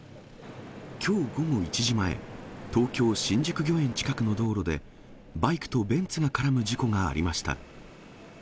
きょう午後１時前、東京・新宿御苑近くの道路で、バイクとベンツが絡む事故がありました。